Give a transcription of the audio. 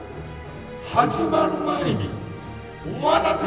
始まる前に終わらせてやる。